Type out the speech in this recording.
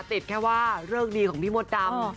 ติดแค่ว่าเลิกดีของพี่มดดำ